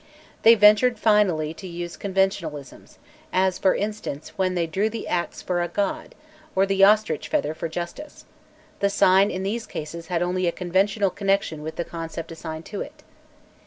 They ventured finally to use conventionalisms, as for instance when they drew the axe for a god, or the ostrich feather for justice; the sign in these cases had only a conventional connection with the concept assigned to it.